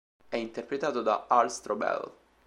È interpretato da Al Strobel.